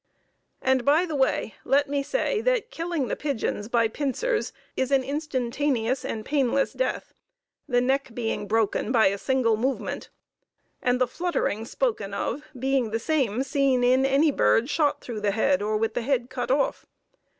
And, by the way, let me say that killing the pigeons by pincers is an instantaneous and painless death, the neck being broken by a single movement, and the fluttering spoken of being the same seen in any bird shot through the head, or with the head cut off.